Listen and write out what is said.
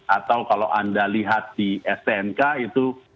atau kalau anda lihat di stnk itu